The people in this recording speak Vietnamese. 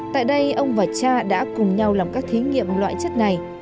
tại đây ông và cha đã cùng nhau làm các thí nghiệm loại chất này